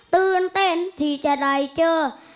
ตื่นเต้นที่จะได้เจอ